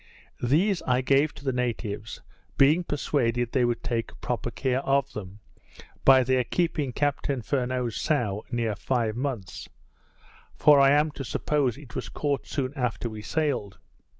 These I gave to the natives, being persuaded they would take proper care of them, by their keeping Captain Furneaux's sow near five months; for I am to suppose it was caught soon after we sailed.